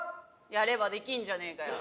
やればできるじゃねえかよ。